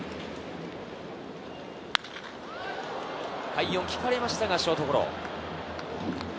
快音が聞かれましたがショートゴロ。